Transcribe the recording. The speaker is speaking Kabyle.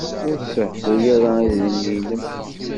Ur sehhu ara idrimen-im.